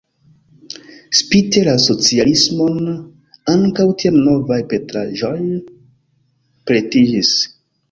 Spite la socialismon ankaŭ tiam novaj pentraĵoj pretiĝis.